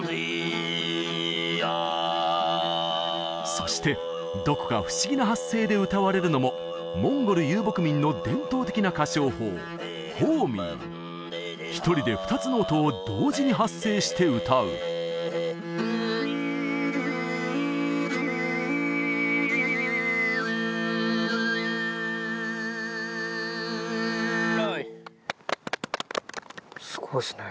そしてどこか不思議な発声で歌われるのもモンゴル遊牧民の伝統的な歌唱法ホーミー一人で二つの音を同時に発生して歌うすごいっすね